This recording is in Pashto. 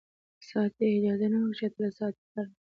صحت يې اجازه نه ورکوي چې اتلس ساعته کار وکړي.